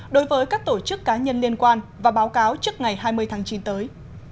đối với các tổ chức cá nhân liên quan và báo cáo trước ngày hai mươi tháng chín tới